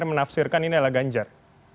jadi anda akhirnya menafsirkan ini adalah ganjar